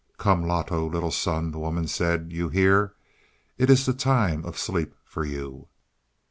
"Come Loto, little son," the woman said. "You hear it is the time of sleep for you."